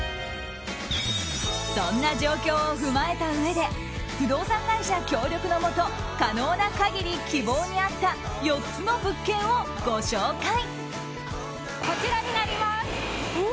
そんな状況を踏まえたうえで不動産会社協力のもと可能な限り希望に合った４つの物件をご紹介。